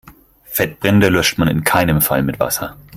Fettbrände löscht man in keinem Fall mit Wasser.